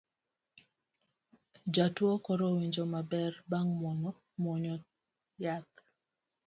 Jatuo koro winjo maber bang' muonyo yath